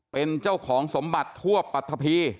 เป็นเจ้าของสมบัติทั่วปรัฐพี